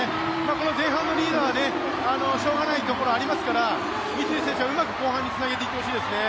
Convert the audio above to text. この前半のリードはしようがないところがありますから、三井選手はうまく後半につなげていってほしいですね。